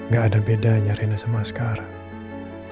gak ada bedanya rena sama sekarang